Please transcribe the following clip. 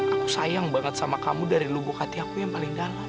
aku sayang banget sama kamu dari lubuk hati aku yang paling dalam